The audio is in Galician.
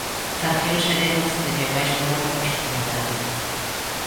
Faccións serenas de quen vai xulgar con obxectividade.